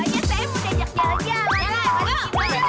jalan jalan jalan